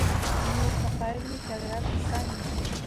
Ñukapashmi chakrapi kani